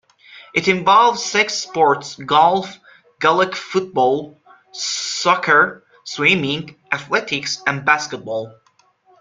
It involves six sports; golf, gaelic football, soccer, swimming, athletics and basketball.